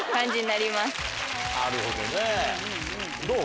なるほどね。どう？